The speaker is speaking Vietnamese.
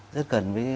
rất gần với tế bào